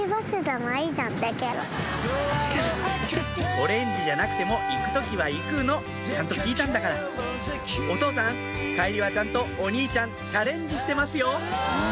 オレンジじゃなくても行く時は行くのちゃんと聞いたんだからお父さん帰りはちゃんとお兄ちゃんチャレンジしてますよ